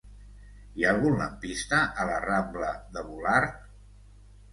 Hi ha algun lampista a la rambla de Volart?